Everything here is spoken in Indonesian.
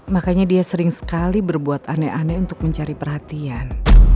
makanya dia sering sekali berbuat aneh aneh untuk mencari perhatian